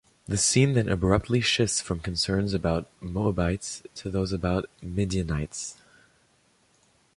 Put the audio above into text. The scene then abruptly shifts from concerns about Moabites to those about Midianites.